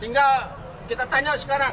tinggal kita tanya sekarang